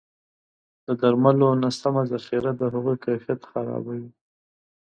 د درملو نه سمه ذخیره د هغوی کیفیت خرابوي.